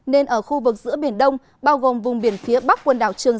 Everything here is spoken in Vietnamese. nên ở khu vực giữa biển đông bao gồm vùng biển phía bắc quần đảo trường